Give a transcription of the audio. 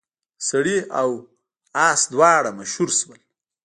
سړی او اس دواړه مشهور شول.